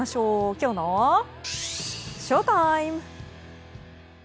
きょうのＳＨＯＴＩＭＥ！